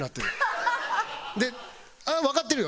わかってるよ。